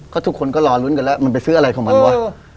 ก็ทุกคนก็รอลุ้นกันแล้วมันไปซื้ออะไรของมันวะ